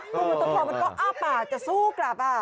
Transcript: พวกมันต้องพอมันก็อ้าปากจะสู้กลับอ่ะ